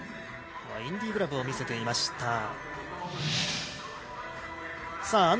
インディグラブを見せていました。